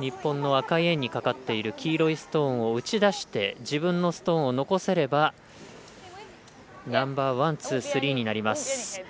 日本の赤い円にかかってる黄色いストーンを打ち出して自分のストーンを残せればナンバーワン、ツー、スリーになります。